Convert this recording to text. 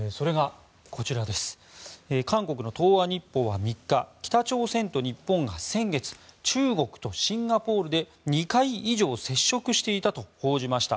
韓国の東亜日報は３日北朝鮮と日本が先月中国とシンガポールで２回以上接触していたと報じました。